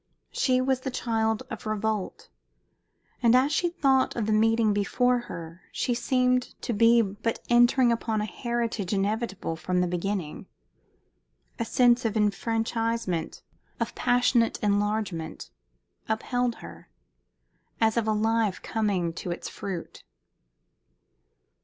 She was the child of revolt, and as she thought of the meeting before her she seemed to be but entering upon a heritage inevitable from the beginning. A sense of enfranchisement, of passionate enlargement, upheld her, as of a life coming to its fruit.